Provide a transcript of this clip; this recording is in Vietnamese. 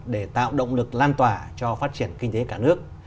để tạo động lực lan tỏa cho phát triển kinh tế cả nước